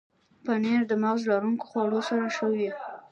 پنېر د مغز لرونکو خوړو سره ښه وي.